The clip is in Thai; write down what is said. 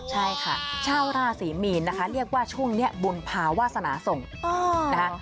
ใช่ค่ะชาวราศีมีนครับเรียกว่าช่วงนี้บุญภาวาสนาสงฆ์